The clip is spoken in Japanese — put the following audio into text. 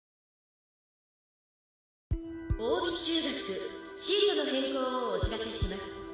「大尾中学シートの変更をお知らせします。